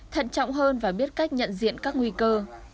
thận trọng hơn và biết cách nhận diện các nguy cơ